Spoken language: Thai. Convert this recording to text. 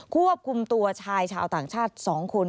ควบคุมตัวชายชาวต่างชาติ๒คน